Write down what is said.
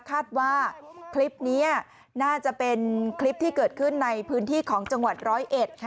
คาดว่าคลิปนี้น่าจะเป็นคลิปที่เกิดขึ้นในพื้นที่ของจังหวัดร้อยเอ็ด